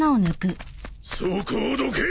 そこをどけ！